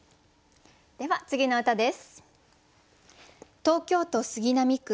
では次の歌です。